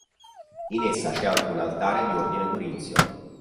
In essa c'è anche un altare di ordine corinzio.